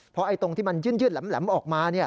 เพราะตรงที่มันยื่นแหลมออกมา